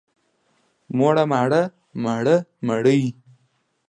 موړ، ماړه، مړه، مړې.